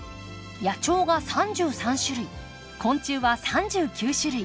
野鳥が３３種類昆虫は３９種類。